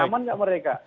nyaman gak mereka